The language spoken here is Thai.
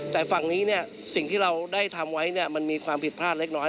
แต่ฝั่งนี้เนี่ยสิ่งที่เราได้ทำไว้มันมีความผิดพลาดเล็กน้อย